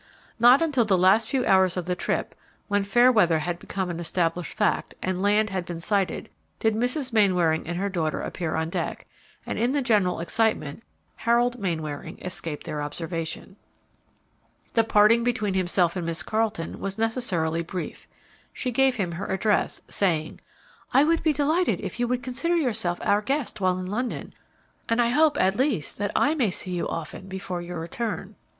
Not until the last few hours of the trip, when fair weather had become an established fact and land had been sighted, did Mrs. Mainwaring and her daughter appear on deck, and in the general excitement Harold Mainwaring escaped their observation. The parting between himself and Miss Carleton was necessarily brief. She gave him her address, saying, "I would be delighted if you could consider yourself our guest while in London, and I hope at least that I may see you often before your return."